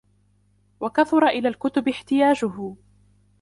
وَكَثُرَ إلَى الْكُتُبِ احْتِيَاجُهُ